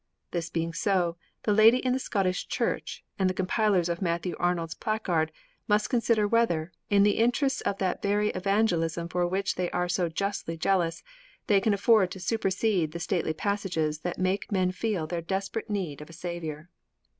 This being so, the lady in the Scottish church, and the compilers of Matthew Arnold's placard, must consider whether, in the interests of that very evangelism for which they are so justly jealous, they can afford to supersede the stately passages that make men feel their desperate need of a Saviour.